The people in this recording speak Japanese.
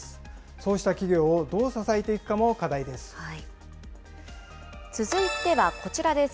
そうした企業をどう支えていくか続いてはこちらです。